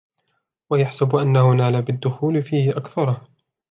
وَيَحْسَبُ أَنَّهُ نَالَ بِالدُّخُولِ فِيهِ أَكْثَرَهُ